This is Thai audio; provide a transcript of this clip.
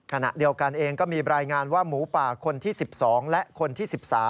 ขณะเดียวกันเองก็มีรายงานว่าหมูป่าคนที่๑๒และคนที่๑๓